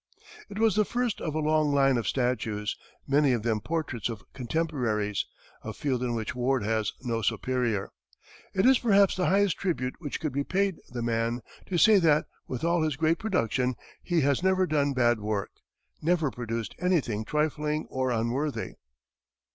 It was the first of a long line of statues, many of them portraits of contemporaries, a field in which Ward has no superior. It is perhaps the highest tribute which could be paid the man to say that, with all his great production, he has never done bad work, never produced anything trifling or unworthy.